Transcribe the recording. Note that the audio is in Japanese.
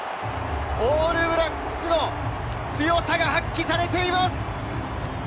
オールブラックスの強さが発揮されています！